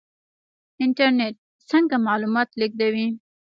انټرنیټ څنګه معلومات لیږدوي؟